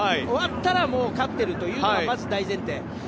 終わったら勝ってるというのがまず、大前提。